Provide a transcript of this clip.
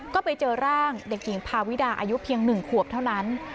ก็ไปเจอร่างเด็กหญิงพาวิดาอายุเพียง๑ขวบเท่านั้น